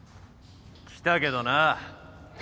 ・来たけどな。